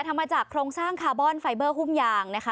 ทำมาจากโครงสร้างคาร์บอนไฟเบอร์หุ้มยางนะคะ